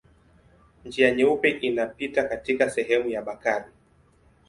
Njia Nyeupe inapita katika sehemu ya Bakari.